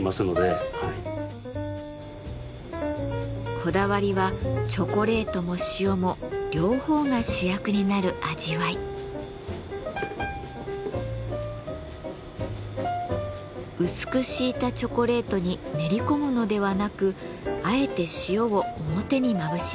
こだわりはチョコレートも塩も両方が主役になる味わい。薄く敷いたチョコレートに練り込むのではなくあえて塩を表にまぶします。